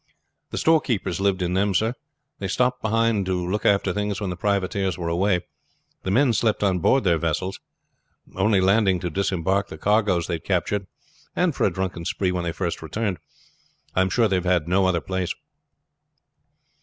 "The storekeepers lived in them, sir. They stopped behind to look after things when the privateers were away. The men slept on board their vessels, only landing to disembark the cargoes they had captured, and for a drunken spree when they first returned. I am sure they have no other place."